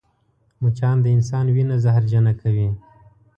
مچان د انسان وینه زهرجنه کوي